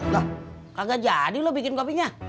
loh kagak jadi lo bikin kopinya